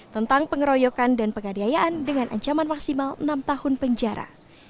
tentang pengeroyokan dan pengadiayaan dengan ancaman maksimal enam tahun penjara